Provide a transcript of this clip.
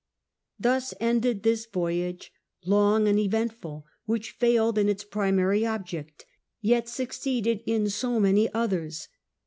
Thus ended this voyage, long and eventful, which failed in its primary object, yet succeeded in so many others.